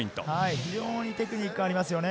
非常にテクニックありますね。